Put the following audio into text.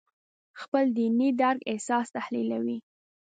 خپل دیني درک اساس تحلیلوي.